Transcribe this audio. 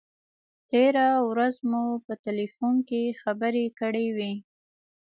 تېره ورځ مو په تیلفون کې خبرې کړې وې.